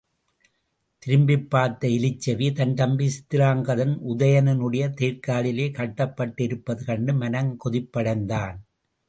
திரும்பிப் பார்த்த எலிச்செவி, தன் தம்பி சித்திராங்கதன், உதயணனுடைய தேர்க் காலிலே கட்டப்பட்டிருப்பது கண்டு மனக் கொதிப்படைந் தான்.